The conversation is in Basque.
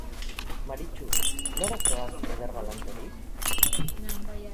Maritxu, nora zoaz, eder galan hori?